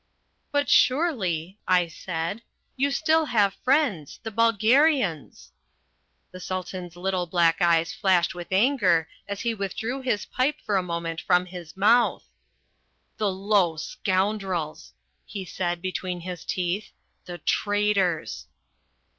"But surely," I said, "you still have friends the Bulgarians." The Sultan's little black eyes flashed with anger as he withdrew his pipe for a moment from his mouth. "The low scoundrels!" he said between his teeth. "The traitors!"